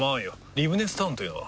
リブネスタウンというのは？